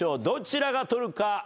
どちらが取るか？